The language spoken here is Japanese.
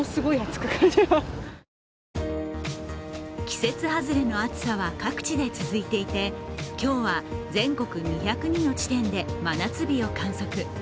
季節外れの暑さは各地で続いていて、今日は全国２０２の地点で真夏日を観測。